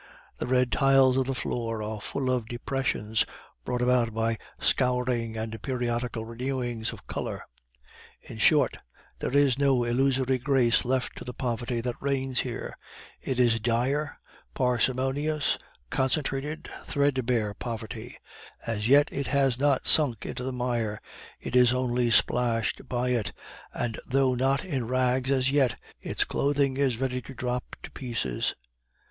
The red tiles of the floor are full of depressions brought about by scouring and periodical renewings of color. In short, there is no illusory grace left to the poverty that reigns here; it is dire, parsimonious, concentrated, threadbare poverty; as yet it has not sunk into the mire, it is only splashed by it, and though not in rags as yet, its clothing is ready to drop to pieces.